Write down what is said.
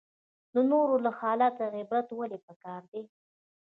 د نورو له حاله عبرت ولې پکار دی؟